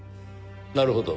なるほど。